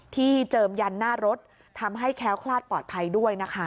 เจิมยันหน้ารถทำให้แค้วคลาดปลอดภัยด้วยนะคะ